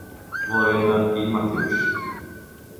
Lorena e Matheus